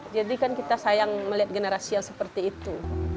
jadi kan kita sayang melihat generasi yang seperti itu